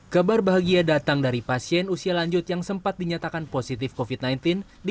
kabar bahagia datang dari pasien usia lanjut yang sempat dinyatakan positif kofit sembilan belas di